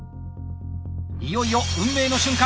いよいよ運命の瞬間！